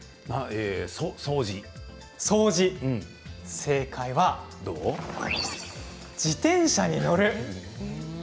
正解は自転車に乗る。